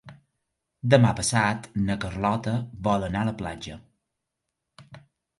Demà passat na Carlota vol anar a la platja.